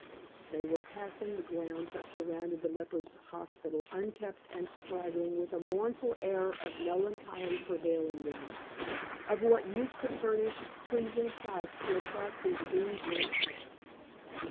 They were passing the grounds that surrounded the lepers' hospital, unkempt and straggling, with a mournful air of melancholy pervading them. Of what use to furnish pleasing sights to attract these doomed wretches?